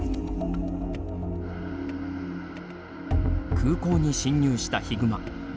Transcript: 空港に侵入したヒグマ。